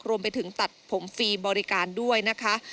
รวมไปถึงตัดผมฟรีบริการด้วยนะคะ